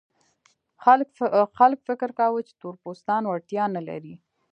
خلک فکر کاوه چې تور پوستان وړتیا نه لري.